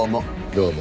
どうも。